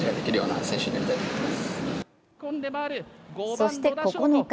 そして９日。